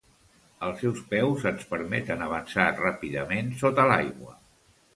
Els seus peus ens permeten avançar ràpidament sota l'aigua.